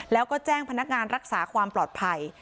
แล้วก็แจ้งพนักงานรักษาความปลอดภัย